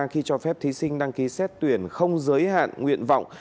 khi cho phép thí sinh đăng ký xét tuyển không giới hạn nguyện vọng